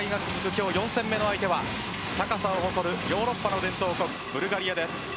今日４戦目の相手は高さを誇るヨーロッパの伝統国ブルガリアです。